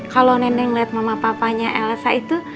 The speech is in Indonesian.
kalau nenek liat mama papanya elsa itu